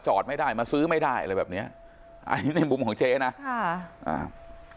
จอดไม่ได้มาซื้อไม่ได้อะไรแบบนี้ในมุมของเจ๊นะคุณ